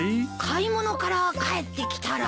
買い物から帰ってきたら。